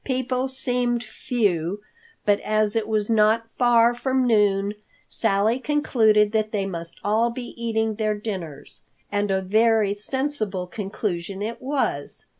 People seemed few, but as it was not far from noon, Sally concluded that they must all be eating their dinners. And a very sensible conclusion it was.